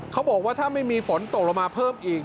เขาบอกว่าถ้าไม่มีฝนตกลงมาเพิ่มอีก